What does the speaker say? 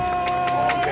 ＯＫ！